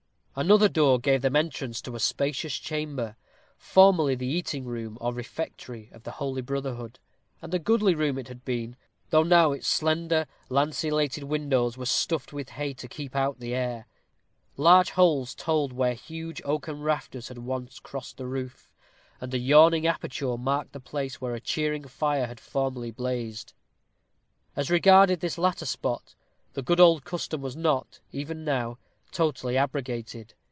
Another open door gave them entrance to a spacious chamber, formerly the eating room or refectory of the holy brotherhood, and a goodly room it had been, though now its slender lanceolated windows were stuffed with hay to keep out the air. Large holes told where huge oaken rafters had once crossed the roof, and a yawning aperture marked the place where a cheering fire had formerly blazed. As regarded this latter spot, the good old custom was not, even now, totally abrogated.